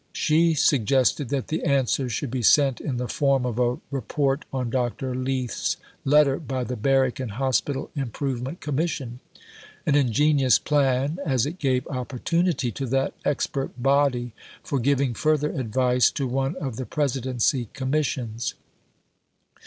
She suggested that the answer should be sent in the form of a Report on Dr. Leith's letter by the Barrack and Hospital Improvement Commission an ingenious plan, as it gave opportunity to that expert body for giving further advice to one of the Presidency Commissions.